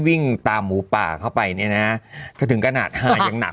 วิ่งตามหมูป่าเข้าไปเนี่ยนะก็ถึงขนาดหายังหนัก